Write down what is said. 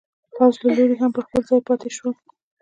د پوځ له لوري هم پر خپل ځای پاتې شول.